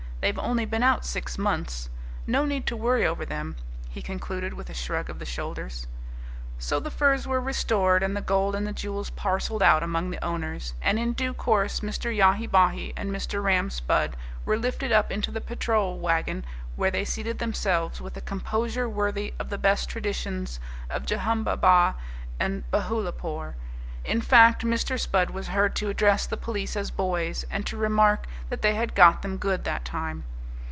They've only been out six months. No need to worry over them," he concluded with a shrug of the shoulders. So the furs were restored and the gold and the jewels parcelled out among the owners, and in due course Mr. Yahi Bahi and Mr. Ram Spudd were lifted up into the patrol wagon where they seated themselves with a composure worthy of the best traditions of Jehumbabah and Bahoolapore. In fact, Mr. Spudd was heard to address the police as "boys," and to remark that they had "got them good" that time.